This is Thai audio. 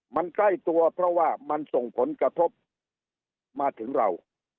มันใกล้ตัวเพราะว่ามันส่งผลกระทบมาถึงเรา